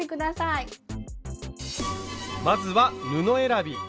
まずは布選び。